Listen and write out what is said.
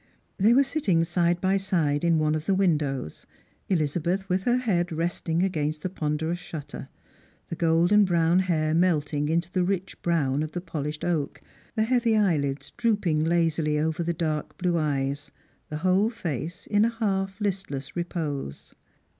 They wei'e sit ting side by side in one of the windows ; Elizabeth with her head resting against the ponderous shutter, the golden brown hair melting into the rich brown of the polished oak, the heavy eyelids drooping lazily over the dai k blue eyes, the whole face in a half listless repose.